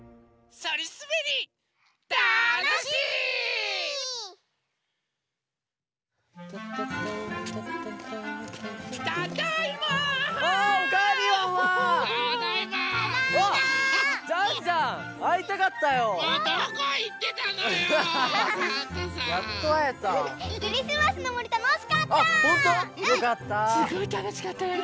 すごいたのしかったよね。